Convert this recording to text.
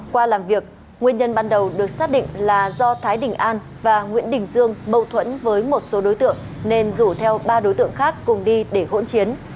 qua làm việc nguyên nhân ban đầu được xác định là do thái đình an và nguyễn đình dương bâu thuẫn với một số đối tượng nên rủ theo ba đối tượng khác cùng đi để hỗn chiến